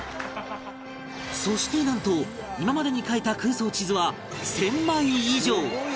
そしてなんと今までに描いた空想地図は１０００枚以上！